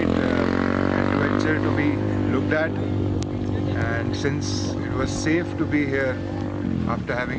jadi erupsi vulkanik adalah sebuah penjajaran yang sangat bagus untuk diperhatikan